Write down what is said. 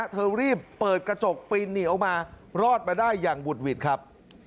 เธอรีบเปิดกระจกปีนหนีออกมารอดมาได้อย่างบุดหวิดครับ